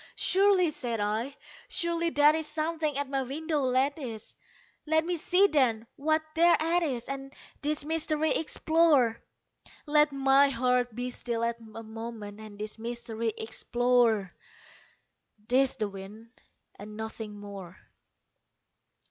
"Surely," said I, "surely that is something at my window lattice; Let me see then, what thereat is, and this mystery explore Let my heart be still a moment and this mystery explore; 'Tis the wind and nothing more!"